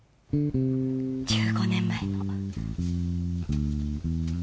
１５年前の。